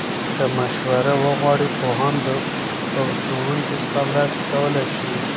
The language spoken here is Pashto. که مشوره وغواړې، پوهان او ښوونکي ستا مرسته کولای شي.